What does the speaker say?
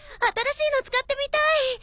新しいの使ってみたい。